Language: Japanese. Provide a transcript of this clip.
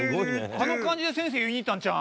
あの感じで先生に言いに行ったんちゃう？